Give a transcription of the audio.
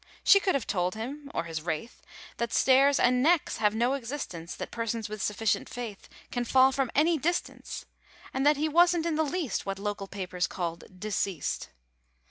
She could have told him (or his wraith) That stairs and necks have no existence, That persons with sufficient faith Can fall from any distance, And that he wasn't in the least What local papers called "deceased."